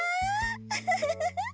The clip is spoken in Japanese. ウフフフフ。